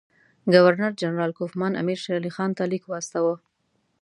ګورنر جنرال کوفمان امیر شېرعلي خان ته لیک واستاوه.